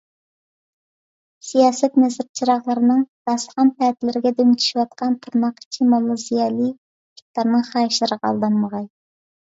سىياسەت نەزىر -چىراغلىرىنىڭ داستىخان - پەتىلىرىگە دۈم چۈشۈۋاتقان تىرناق ئىچى «موللا - زىيالىي» تىپلارنىڭ خاھىشلىرىغا ئالدانمىغاي.